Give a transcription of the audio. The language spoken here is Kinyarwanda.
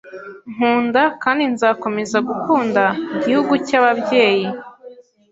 Nkunda, kandi nzakomeza gukunda, gihugu cyababyeyi